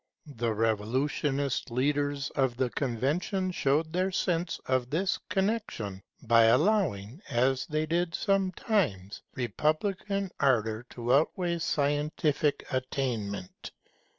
The revolutionist leaders of the Convention showed their sense of this connexion by allowing, as they did sometimes, republican ardour to outweigh scientific attainment.